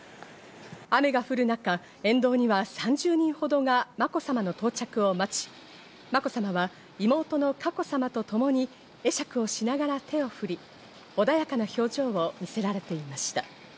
雨が降る中、沿道には３０人ほどが、まこさまの到着を待ち、まこさまは妹の佳子さまとともに会釈をしながら手を振り、穏やかな表情を見せられていました。